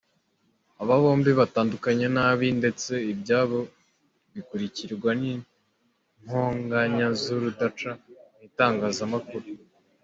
Aba bombi batandukanye nabi ndetse ibyabo bikurikirwa n’intonganya z’urudaca mu itangazamakuru.